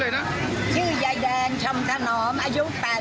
เรียนน้ำอ้างกินย่าอ่อน